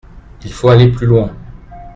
Il faut aller plus loin.